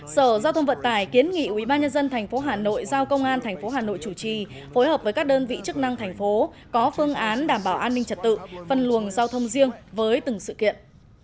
sở giao thông vận tải kiến nghị ubnd tp hà nội giao công an tp hà nội chủ trì phối hợp với các đơn vị chức năng thành phố có phương án đảm bảo an ninh trật tự phân luồng giao thông riêng với từng sự kiện